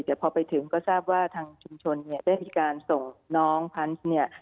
แต่พอไปถึงก็ทราบว่าทางชุมชนเนี่ยได้มีการส่งน้องพันธุ์เนี่ย